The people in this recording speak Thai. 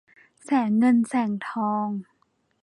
แสงเงินแสงทอง